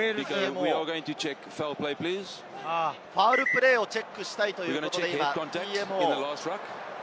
ファウルプレーをチェックしたいということで、ＴＭＯです。